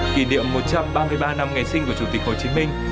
kỷ niệm một trăm ba mươi ba năm ngày sinh của chủ tịch hồ chí minh